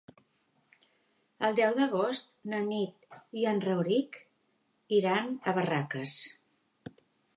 El deu d'agost na Nit i en Rauric iran a Barraques.